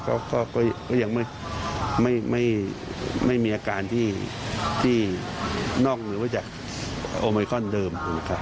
ก็ยังไม่มีอาการที่น่องหรือว่าจากโอไมคอนเดิม